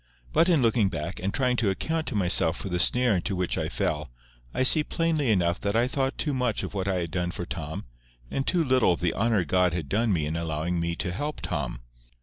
But, in looking back, and trying to account to myself for the snare into which I fell, I see plainly enough that I thought too much of what I had done for Tom, and too little of the honour God had done me in allowing me to help Tom.